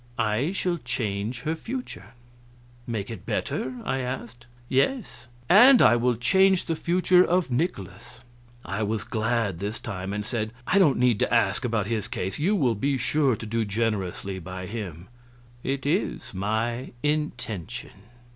"I shall change her future." "Make it better?" I asked. "Yes. And I will change the future of Nikolaus." I was glad, this time, and said, "I don't need to ask about his case; you will be sure to do generously by him." "It is my intention."